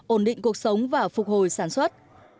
ổn định cuộc sống và phục hồi sản xuất